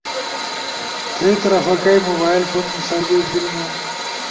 تھئی طرف کئی موبائل فون سروس بیلنو؟